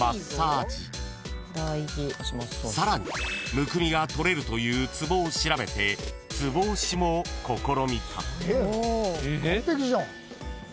［さらにむくみが取れるというツボを調べてツボ押しも試みた］